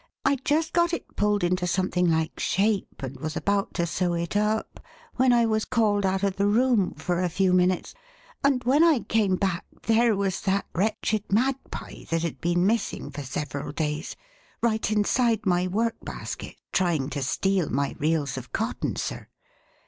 I'd just got it pulled into something like shape and was about to sew it up when I was called out of the room for a few minutes, and when I came back there was that wretched Magpie that had been missing for several days right inside my work basket trying to steal my reels of cotton, sir.